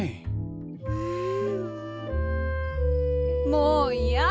もういや！